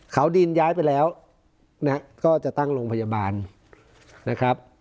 เขาดินย้ายไปแล้วก็จะตั้งโรงพยาบาลนะครับ